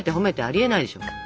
ありえないでしょ。